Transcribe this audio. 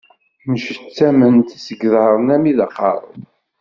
Mcettament seg yiḍaṛṛen armi d aqeṛṛu.